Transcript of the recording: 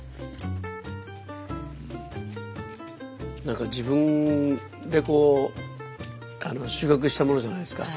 何か自分でこう収穫したものじゃないですか。